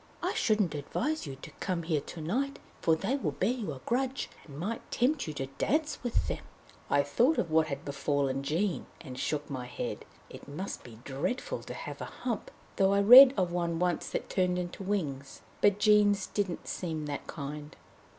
I shouldn't advise you to come here to night, for they will bear you a grudge, and might tempt you to dance with them!" I thought of what had befallen Jean, and shook my head. It must be dreadful to have a hump, though I read of one once that turned into wings. But Jean's didn't seem that kind.